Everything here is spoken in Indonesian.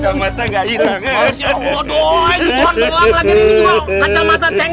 jualan lagi di jual kacamata ceng